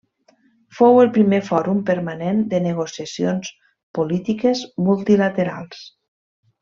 Fou el primer fòrum permanent de negociacions polítiques multilaterals.